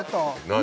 何？